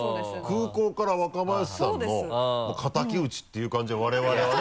空港から若林さんの敵討ちっていう感じの我々はね。